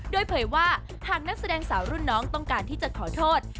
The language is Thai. โดยเผยว่าหากนักแสดงสาวรุ่นน้องต้องการที่จะขอโทษ